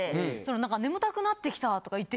何か眠たくなってきたとか言って。